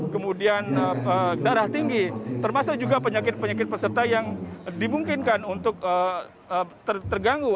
kemudian darah tinggi termasuk juga penyakit penyakit peserta yang dimungkinkan untuk terganggu